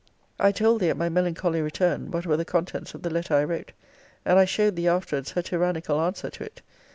I told thee, at my melancholy return, what were the contents of the letter I wrote.* And I showed thee afterwards her tyrannical answer to it.